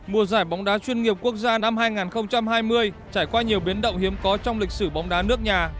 mùa giải bóng đá chuyên nghiệp quốc gia năm hai nghìn hai mươi trải qua nhiều biến động hiếm có trong lịch sử bóng đá nước nhà